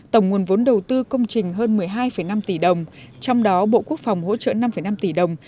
tổng nguồn vốn đầu tư công trình hơn một mươi hai năm tỷ đồng trong đó bộ quốc phòng hỗ trợ năm năm tỷ đồng